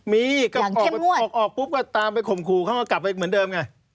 มีก็ออกปุ๊บก็ตามไปข่มขู่เขาก็กลับไปเหมือนเดิมไง